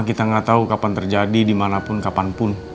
kita gak tau kapan terjadi dimanapun kapanpun